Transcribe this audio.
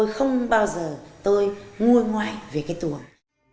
không bao giờ tôi nguôi ngoại về cái tuồng